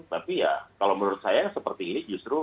tapi ya kalau menurut saya yang seperti ini justru